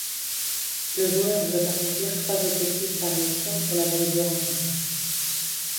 Le joueur doit accomplir trois objectifs par mission pour la valider entièrement.